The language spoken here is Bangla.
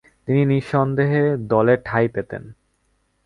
তিনি নিঃসন্দেহে দলে ঠাঁই পেতেন।